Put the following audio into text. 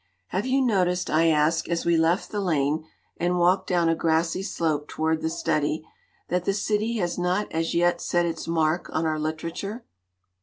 "Have you noticed," I asked, as we left the lane and walked down a grassy slope toward the study, "that the city has not as yet set its mark on our literature?"